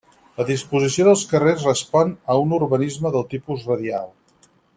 La disposició dels carrers respon a un urbanisme del tipus radial.